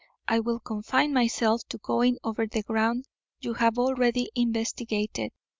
"I will confine myself to going over the ground you have already investigated."